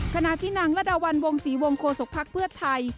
ขณะที่นางระดาวันวงศรีวงโฆษกภักดิ์เพื่อไทย